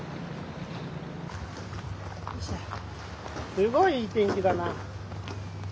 すごいいい天気だな。